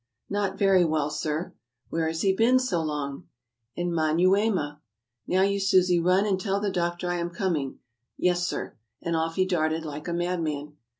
"Not very well, sir." "Where has he been so long?" "In Manyuema." "Now, you Susi, run and tell the doctor I am coming." "Yes, sir ;" and off he darted like a madman.